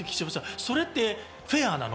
それってフェアなの？